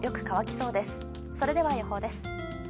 それでは、予報です。